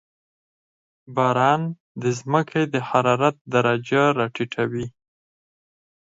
• باران د زمکې د حرارت درجه راټیټوي.